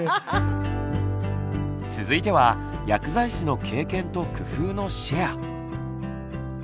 続いては薬剤師の経験と工夫のシェア。